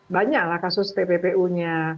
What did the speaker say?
banyaklah kasus tppu nya